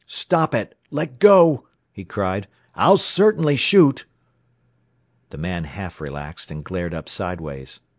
"Stop it! Let go!" he cried. "I'll certainly shoot!" The man half relaxed, and glared up sideways.